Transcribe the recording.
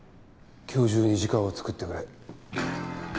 今日中に時間を作ってくれ。